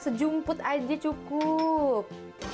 sejumput aja cukup